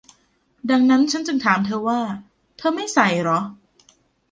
ดังนั้นฉันจึงถามเธอว่า - เธอไม่ใส่เหรอ ?